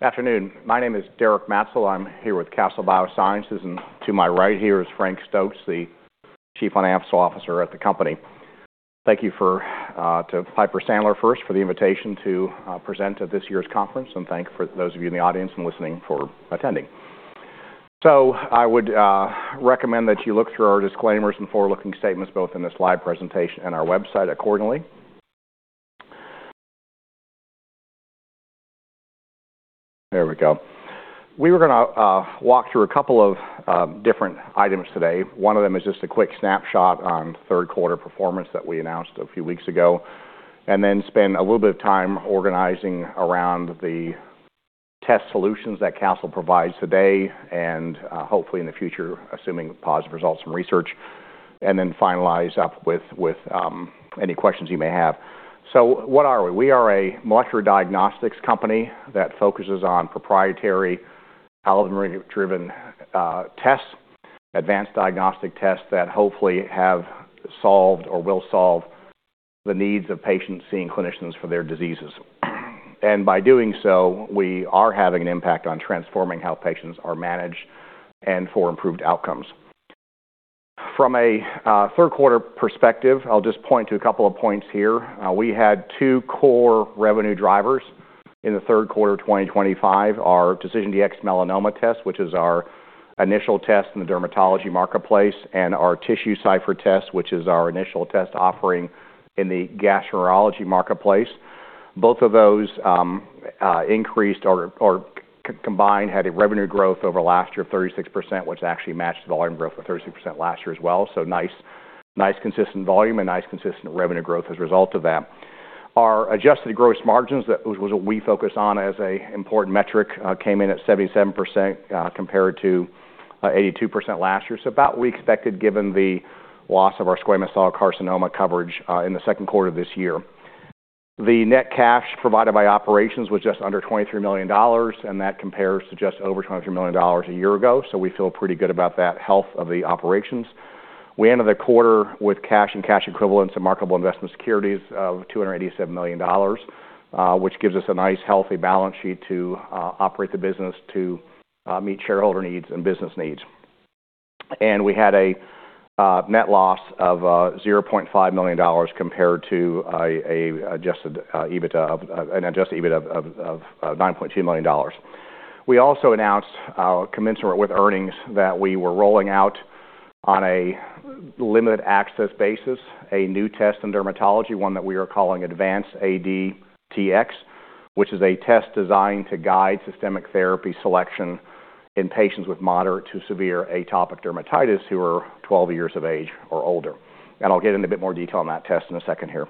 Good afternoon. My name is Derek Maetzold. I'm here with Castle Biosciences, and to my right here is Frank Stokes, the Chief Financial Officer at the company. Thank you to Piper Sandler first for the invitation to present at this year's conference, and thank you to those of you in the audience and listening for attending. I would recommend that you look through our disclaimers and forward-looking statements, both in this live presentation and our website, accordingly. There we go. We were gonna walk through a couple of different items today. One of them is just a quick snapshot on third-quarter performance that we announced a few weeks ago, and then spend a little bit of time organizing around the test solutions that Castle provides today and, hopefully in the future, assuming positive results from research, and then finalize up with any questions you may have. So what are we? We are a molecular diagnostics company that focuses on proprietary algorithm-driven tests, advanced diagnostic tests that hopefully have solved or will solve the needs of patients seeing clinicians for their diseases. And by doing so, we are having an impact on transforming how patients are managed and for improved outcomes. From a third-quarter perspective, I'll just point to a couple of points here. We had two core revenue drivers in the third quarter of 2025: our DecisionDx-Melanoma test, which is our initial test in the dermatology marketplace, and our TissueCypher test, which is our initial test offering in the gastroenterology marketplace. Both of those increased or combined had a revenue growth over last year of 36%, which actually matched the volume growth of 36% last year as well. So nice, nice consistent volume and nice consistent revenue growth as a result of that. Our adjusted gross margins, that was what we focused on as an important metric, came in at 77%, compared to 82% last year. So about what we expected given the loss of our squamous cell carcinoma coverage in the second quarter of this year. The net cash provided by operations was just under $23 million, and that compares to just over $23 million a year ago. So we feel pretty good about that health of the operations. We ended the quarter with cash and cash equivalents and marketable investment securities of $287 million, which gives us a nice healthy balance sheet to operate the business to meet shareholder needs and business needs. And we had a net loss of $0.5 million compared to an adjusted EBITDA of $9.2 million. We also announced, commensurate with earnings, that we were rolling out on a limited access basis a new test in dermatology, one that we are calling AdvanceAD-Tx, which is a test designed to guide systemic therapy selection in patients with moderate to severe atopic dermatitis who are 12 years of age or older. And I'll get into a bit more detail on that test in a second here.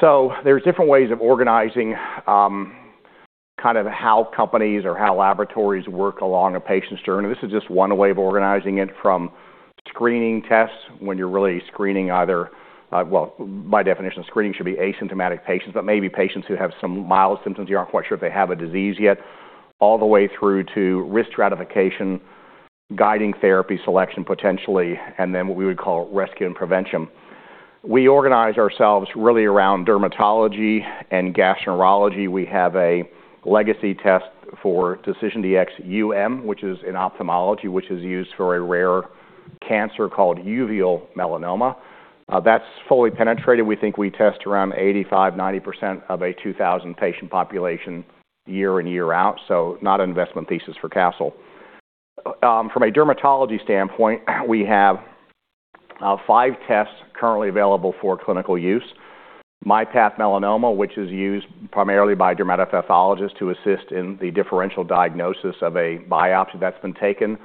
So there's different ways of organizing, kind of how companies or how laboratories work along a patient's journey. This is just one way of organizing it from screening tests when you're really screening either, well, by definition, screening should be asymptomatic patients, but maybe patients who have some mild symptoms, you aren't quite sure if they have a disease yet, all the way through to risk stratification, guiding therapy selection potentially, and then what we would call rescue and prevention. We organize ourselves really around dermatology and gastroenterology. We have a legacy test for DecisionDx which is in ophthalmology, which is used for a rare cancer called uveal melanoma. That's fully penetrated. We think we test around 85%-90% of a 2,000-patient population year in, year out. So not an investment thesis for Castle. From a dermatology standpoint, we have five tests currently available for clinical use: MyPath Melanoma, which is used primarily by dermatopathologists to assist in the differential diagnosis of a biopsy that's been taken,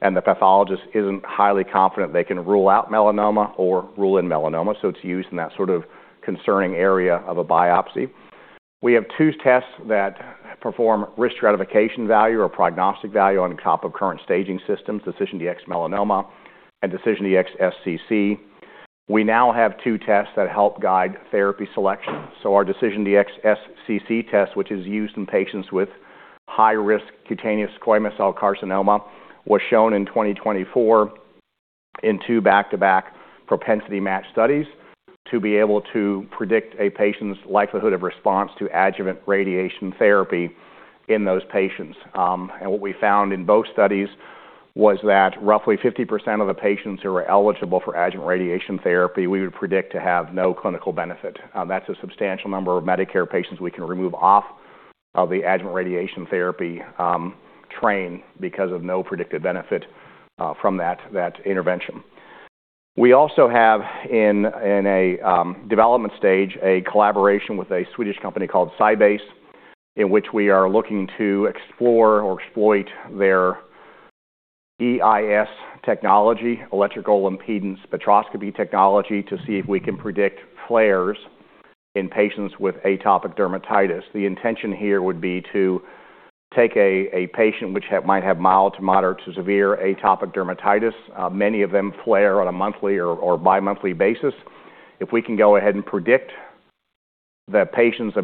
and the pathologist isn't highly confident they can rule out melanoma or rule in melanoma. So it's used in that sort of concerning area of a biopsy. We have two tests that perform risk stratification value or prognostic value on top of current staging systems: DecisionDx-Melanoma and DecisionDx-SCC. We now have two tests that help guide therapy selection. Our DecisionDx-SCC test, which is used in patients with high-risk cutaneous squamous cell carcinoma, was shown in 2024 in two back-to-back propensity-matched studies to be able to predict a patient's likelihood of response to adjuvant radiation therapy in those patients. What we found in both studies was that roughly 50% of the patients who are eligible for adjuvant radiation therapy, we would predict to have no clinical benefit. That's a substantial number of Medicare patients we can remove off of the adjuvant radiation therapy, therein because of no predicted benefit from that intervention. We also have in a development stage a collaboration with a Swedish company called SciBase, in which we are looking to explore or exploit their EIS technology, electrical impedance spectroscopy technology, to see if we can predict flares in patients with atopic dermatitis. The intention here would be to take a patient who might have mild to moderate to severe atopic dermatitis. Many of them flare on a monthly or bi-monthly basis. If we can go ahead and predict the patient's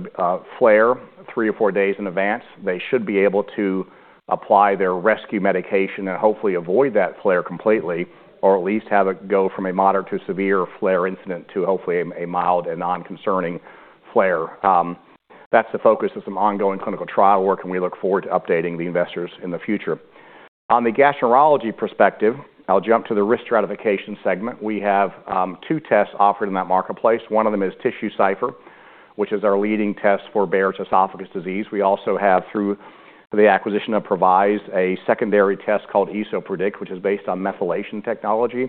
flare three or four days in advance, they should be able to apply their rescue medication and hopefully avoid that flare completely, or at least have it go from a moderate to severe flare incident to hopefully a mild and non-concerning flare. That's the focus of some ongoing clinical trial work, and we look forward to updating the investors in the future. On the gastroenterology perspective, I'll jump to the risk stratification segment. We have two tests offered in that marketplace. One of them is TissueCypher, which is our leading test for Barrett's esophagus. We also have, through the acquisition of Previse, a secondary test called Esopredict, which is based on methylation technology,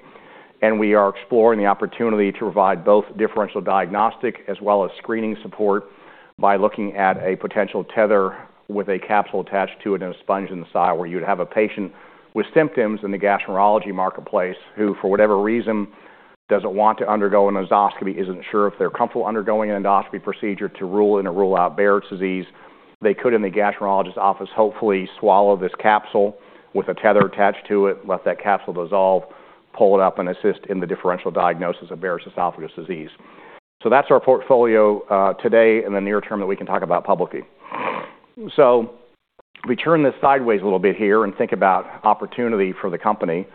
and we are exploring the opportunity to provide both differential diagnostic as well as screening support by looking at a potential tether with a capsule attached to it and a sponge in the side, where you'd have a patient with symptoms in the gastroenterology marketplace who, for whatever reason, doesn't want to undergo an endoscopy, isn't sure if they're comfortable undergoing an endoscopy procedure to rule in or rule out Barrett's disease. They could, in the gastroenterologist's office, hopefully swallow this capsule with a tether attached to it, let that capsule dissolve, pull it up, and assist in the differential diagnosis of Barrett's esophagus disease, so that's our portfolio, today in the near-term that we can talk about publicly. So we turn this sideways a little bit here and think about opportunity for the company.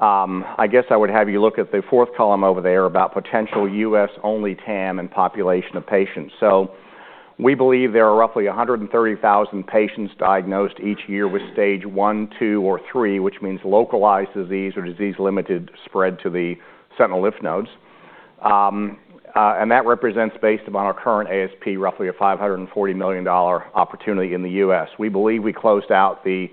I guess I would have you look at the fourth column over there about potential US-only TAM and population of patients. So we believe there are roughly 130,000 patients diagnosed each year with stage one, two, or three, which means localized disease or disease-limited spread to the sentinel lymph nodes, and that represents, based upon our current ASP, roughly a $540 million opportunity in the US. We believe we closed out the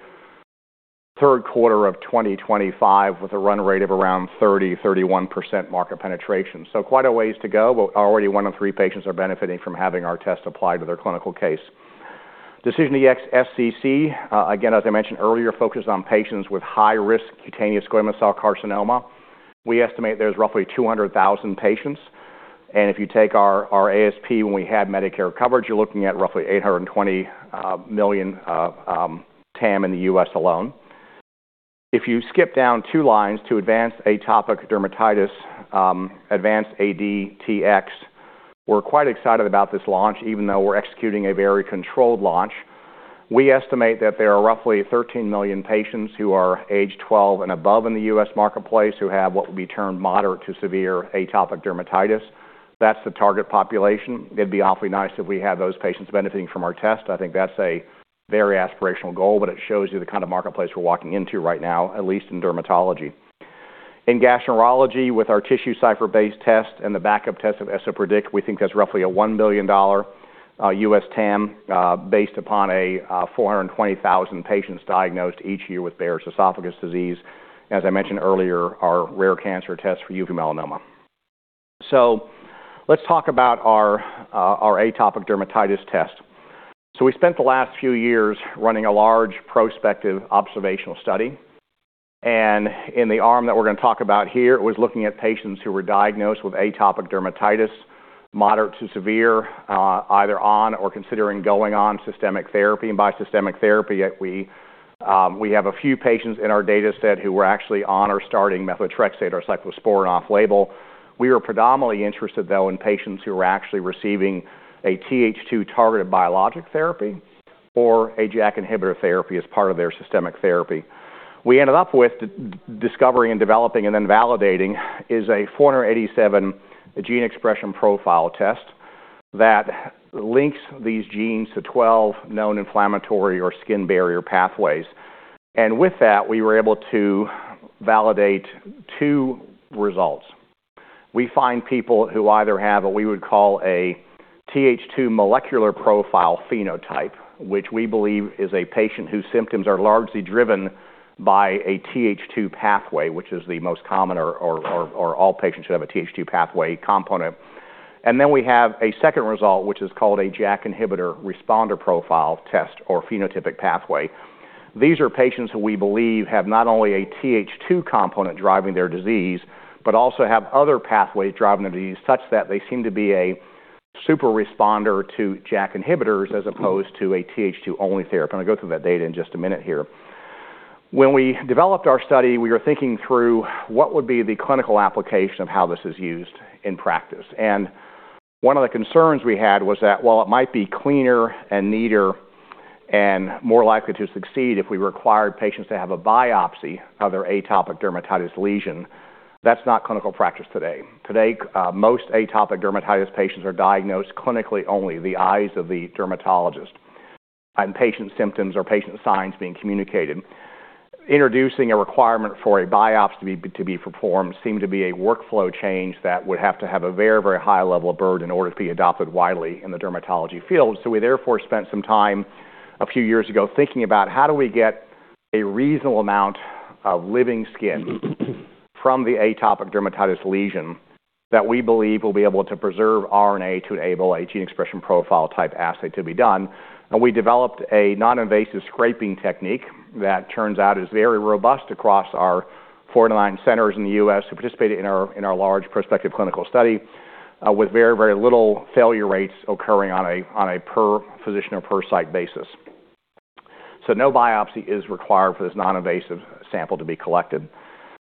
third quarter of 2025 with a run rate of around 30%-31% market penetration. So quite a ways to go. But already one in three patients are benefiting from having our test applied to their clinical case. DecisionDx-SCC, again, as I mentioned earlier, focuses on patients with high-risk cutaneous squamous cell carcinoma. We estimate there's roughly 200,000 patients. If you take our ASP when we had Medicare coverage, you're looking at roughly $820 million TAM in the US alone. If you skip down two lines to AdvanceAD-Tx, we're quite excited about this launch, even though we're executing a very controlled launch. We estimate that there are roughly 13 million patients who are age 12 and above in the US marketplace who have what would be termed moderate to severe atopic dermatitis. That's the target population. It'd be awfully nice if we had those patients benefiting from our test. I think that's a very aspirational goal, but it shows you the kind of marketplace we're walking into right now, at least in dermatology. In gastroenterology, with our TissueCypher-based test and the backup test of Esopredict, we think there's roughly a $1 billion U.S. TAM, based upon 420,000 patients diagnosed each year with Barrett's esophagus disease. And as I mentioned earlier, our rare cancer test for uveal melanoma. So let's talk about our atopic dermatitis test. We spent the last few years running a large prospective observational study. And in the arm that we're gonna talk about here, it was looking at patients who were diagnosed with atopic dermatitis, moderate to severe, either on or considering going on systemic therapy. And by systemic therapy, we have a few patients in our data set who were actually on or starting methotrexate or cyclosporine off-label. We were predominantly interested, though, in patients who were actually receiving a Th2-targeted biologic therapy or a JAK inhibitor therapy as part of their systemic therapy. We ended up discovering and developing and then validating a 487 gene expression profile test that links these genes to 12 known inflammatory or skin barrier pathways. And with that, we were able to validate two results. We find people who either have what we would call aTh2 molecular profile phenotype, which we believe is a patient whose symptoms are largely driven by a Th2 pathway, which is the most common or all patients should have a Th2 pathway component. And then we have a second result, which is called a JAK inhibitor responder profile test or phenotypic pathway. These are patients who we believe have not only a Th2 component driving their disease but also have other pathways driving their disease such that they seem to be a super responder to JAK inhibitors as opposed to a Th2-only therapy. I'm gonna go through that data in just a minute here. When we developed our study, we were thinking through what would be the clinical application of how this is used in practice. And one of the concerns we had was that, while it might be cleaner and neater and more likely to succeed if we required patients to have a biopsy of their atopic dermatitis lesion, that's not clinical practice today. Today, most atopic dermatitis patients are diagnosed clinically only by the eyes of the dermatologist, and patient symptoms or patient signs being communicated. Introducing a requirement for a biopsy to be performed seemed to be a workflow change that would have to have a very, very high level of burden in order to be adopted widely in the dermatology field. So we therefore spent some time a few years ago thinking about how do we get a reasonable amount of living skin from the atopic dermatitis lesion that we believe will be able to preserve RNA to enable a gene expression profile type assay to be done. And we developed a non-invasive scraping technique that turns out is very robust across our 49 centers in the US who participated in our large prospective clinical study, with very, very little failure rates occurring on a per physician or per site basis. So no biopsy is required for this non-invasive sample to be collected.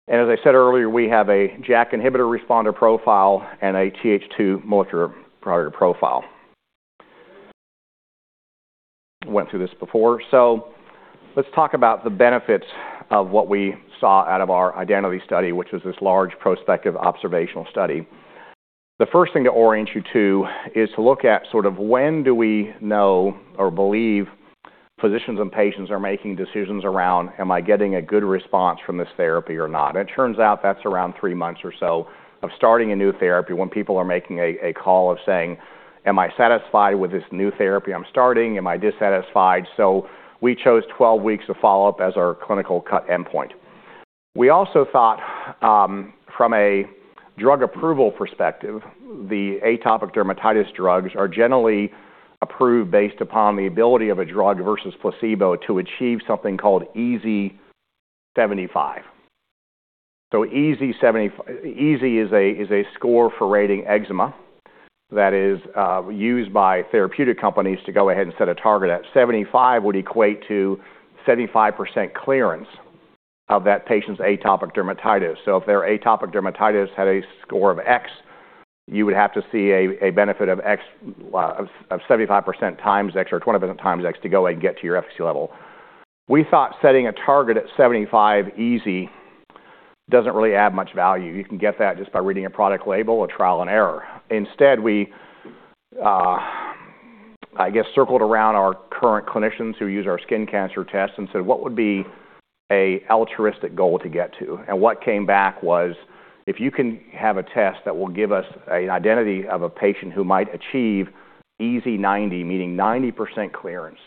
And as I said earlier, we have a JAK inhibitor responder profile and a Th2 molecular profile. Went through this before. So let's talk about the benefits of what we saw out of our identity study, which was this large prospective observational study. The first thing to orient you to is to look at sort of when do we know or believe physicians and patients are making decisions around, "Am I getting a good response from this therapy or not?" And it turns out that's around three months or so of starting a new therapy when people are making a call of saying, "Am I satisfied with this new therapy I'm starting? Am I dissatisfied?" So we chose 12 weeks of follow-up as our clinical cutoff endpoint. We also thought, from a drug approval perspective, the atopic dermatitis drugs are generally approved based upon the ability of a drug versus placebo to achieve something called EASI-75. EASI-75, EASI is a score for rating eczema that is used by therapeutic companies to go ahead and set a target at 75 would equate to 75% clearance of that patient's atopic dermatitis. If their atopic dermatitis had a score of X, you would have to see a benefit of X of 75%x or 20%x to go ahead and get to your efficacy level. We thought setting a target at EASI-75 doesn't really add much value. You can get that just by reading a product label or trial and error. Instead, we, I guess, circled around our current clinicians who use our skin cancer test and said, "What would be an altruistic goal to get to?" and what came back was, "If you can have a test that will give us an identity of a patient who might achieve EASI-90, meaning 90% clearance,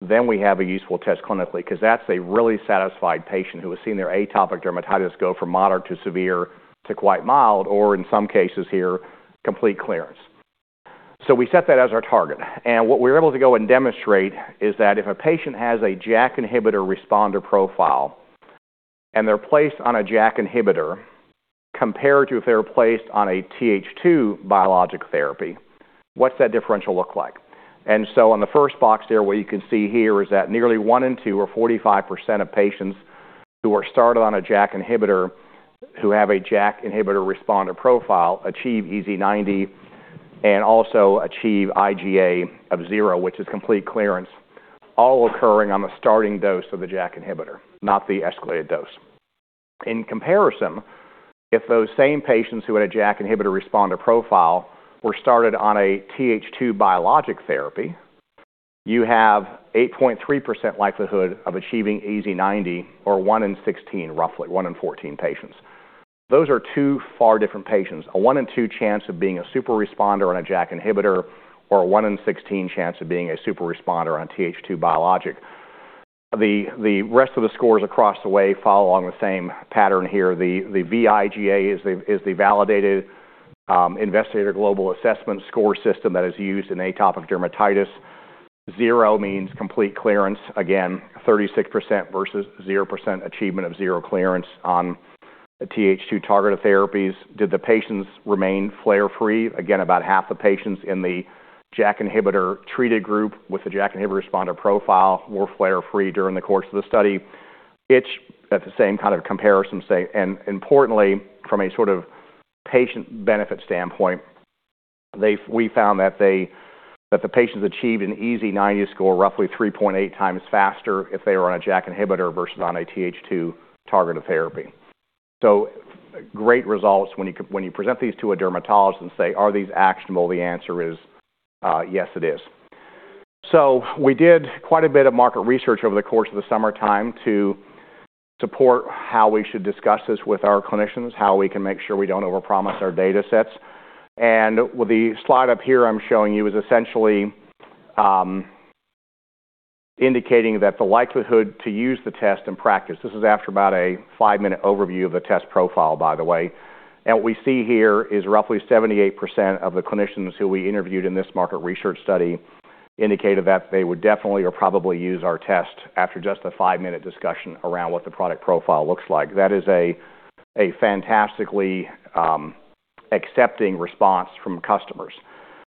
then we have a useful test clinically," 'cause that's a really satisfied patient who has seen their atopic dermatitis go from moderate to severe to quite mild, or in some cases here, complete clearance, so we set that as our target, and what we were able to go and demonstrate is that if a patient has a JAK inhibitor responder profile and they're placed on a JAK inhibitor compared to if they were placed on a Th2 biologic therapy, what's that differential look like? And so on the first box there, what you can see here is that nearly one in two or 45% of patients who are started on a JAK inhibitor who have a JAK inhibitor responder profile achieve EASI-90 and also achieve IGA of 0, which is complete clearance, all occurring on the starting dose of the JAK inhibitor, not the escalated dose. In comparison, if those same patients who had a JAK inhibitor responder profile were started on a Th2 biologic therapy, you have 8.3% likelihood of achieving EASI-90 or one in 16, roughly one in 14 patients. Those are two far different patients. A one in two chance of being a super responder on a JAK inhibitor or a one in 16 chance of being a super responder on Th2 biologic. The rest of the scores across the way follow along the same pattern here. The vIGA is the validated Investigator Global Assessment score system that is used in atopic dermatitis. 0 means complete clearance. Again, 36% versus 0% achievement of 0 clearance on Th2 targeted therapies. Did the patients remain flare-free? Again, about half the patients in the JAK inhibitor treated group with the JAK inhibitor responder profile were flare-free during the course of the study. At the same kind of comparison state. And importantly, from a sort of patient benefit standpoint, we found that the patients achieved an EASI-90 score roughly 3.8x faster if they were on a JAK inhibitor versus on a Th2 targeted therapy. So great results when you can present these to a dermatologist and say, "Are these actionable?" The answer is yes, it is. So we did quite a bit of market research over the course of the summertime to support how we should discuss this with our clinicians, how we can make sure we don't overpromise our data sets. And the slide up here I'm showing you is essentially indicating that the likelihood to use the test in practice, this is after about a five-minute overview of the test profile, by the way, and what we see here is roughly 78% of the clinicians who we interviewed in this market research study indicated that they would definitely or probably use our test after just a five-minute discussion around what the product profile looks like. That is a fantastically accepting response from customers.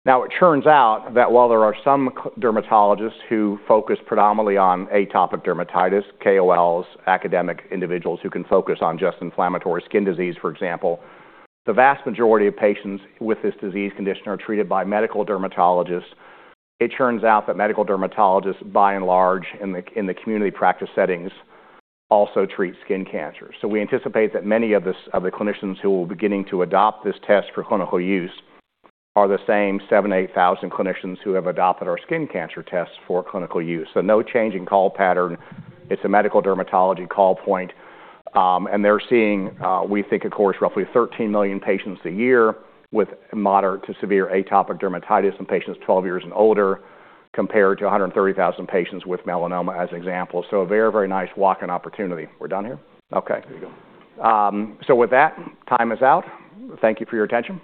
Now, it turns out that while there are some dermatologists who focus predominantly on atopic dermatitis, KOLs, academic individuals who can focus on just inflammatory skin disease, for example, the vast majority of patients with this disease condition are treated by medical dermatologists. It turns out that medical dermatologists, by and large, in the community practice settings, also treat skin cancers. So we anticipate that many of this, of the clinicians who will be beginning to adopt this test for clinical use are the same 7,000, 8,000 clinicians who have adopted our skin cancer test for clinical use. So no change in call pattern. It's a medical dermatology call point, and they're seeing, we think, of course, roughly 13 million patients a year with moderate to severe atopic dermatitis in patients 12 years and older compared to 130,000 patients with melanoma as examples. So a very, very nice walk-in opportunity. We're done here? Okay. There you go. So with that, time is out. Thank you for your attention.